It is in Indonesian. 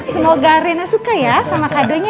semoga reina suka ya sama kadonya ya